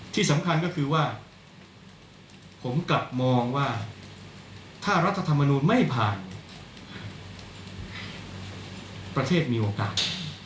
ที่สำคัญก็คือว่าผมกลับมองว่าถ้ารัฐธรรมนูลไม่ผ่านประเทศมีโอกาส